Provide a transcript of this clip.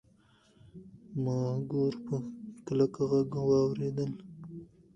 ما ګور په کلک غږ واورېد.